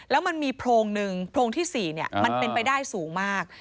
แล้วมันมีโพรงหนึ่งโพรงที่๔มันเป็นไปได้สูงมาก